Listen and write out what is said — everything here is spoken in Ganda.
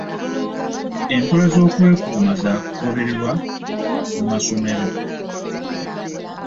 Enkola z'okwekuuma za kugobererwa mu masomero.